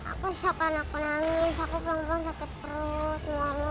aku shock kan aku nangis aku pelan pelan sakit perut